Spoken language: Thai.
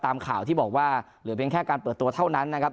ตามข่าวที่บอกว่าเหลือเพียงแค่การเปิดตัวเท่านั้นนะครับ